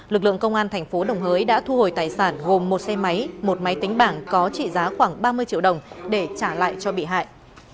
lực lượng công an thành phố đồng hới đã thu hồi tài sản gồm một xe máy một máy tính bảng có trị giá khoảng ba mươi triệu đồng để trả lại cho bị hại